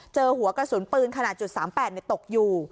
เจอหัวกระสุนปืนขนาด๓๘ตกอยู่